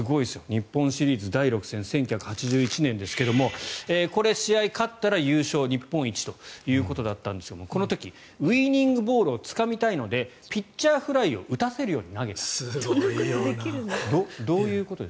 日本シリーズ第６戦１９８１年ですが試合に勝ったら優勝日本一ということでしたがこの時ウィニングボールをつかみたいのでピッチャーフライを打たせるように投げたと。